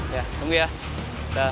ya tunggu ya daaah